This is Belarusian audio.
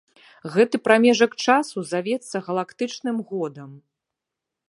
Гэты прамежак часу завецца галактычным годам.